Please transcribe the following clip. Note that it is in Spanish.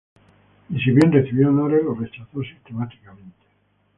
Y si bien recibió honores, los rechazó sistemáticamente.